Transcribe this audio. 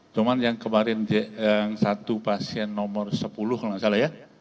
cuma yang kemarin yang satu pasien nomor sepuluh kalau nggak salah ya